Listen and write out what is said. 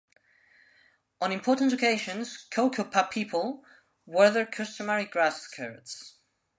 On important occasions, Cocopah people wear their customary grass skirts.